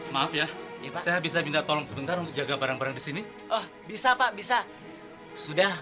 maaf ya itu saya bisa minta tolong sebentar untuk jaga barang barang di sini oh bisa pak bisa sudah